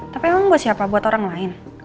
tapi emang buat siapa buat orang lain